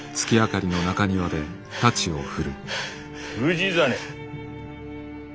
氏真。